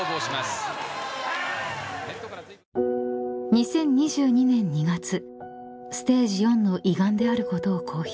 ［２０２２年２月ステージ４の胃がんであることを公表］